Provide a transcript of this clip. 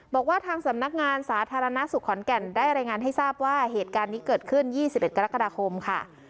บอกว่าทางสำนักงานสาธารณสุขขอนแก่นได้รายงานให้ทราบว่าเหตุการณ์นี้เกิดขึ้น๒๑กรกฎาคมค่ะ